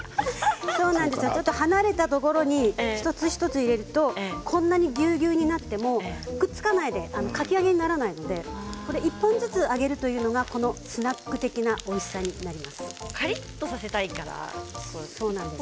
離れたところに一つ一つ入れていくとぎゅうぎゅうになってもくっつかないでかき揚げにならないので１本ずつ揚げるというのがこのスナック的なカリっとさせたいからですよね。